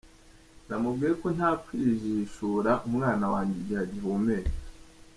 Namubwiye ko ntakwijishura umwana wanjye igihe agihumeka.